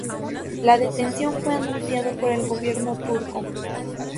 La detención fue anunciado por el gobierno turco.